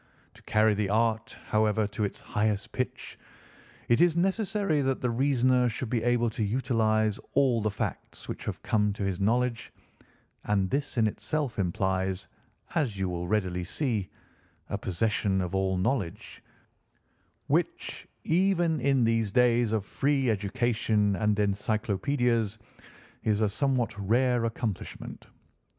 To carry the art, however, to its highest pitch, it is necessary that the reasoner should be able to utilise all the facts which have come to his knowledge; and this in itself implies, as you will readily see, a possession of all knowledge, which, even in these days of free education and encyclopædias, is a somewhat rare accomplishment.